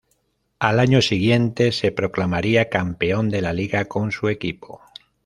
Al año siguiente se proclamaría campeón de la liga con su equipo.